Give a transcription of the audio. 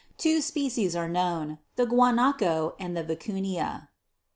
Two species are known: the Guanaco and V icy nia.